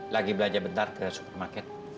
lagi belajar bentar ke supermarket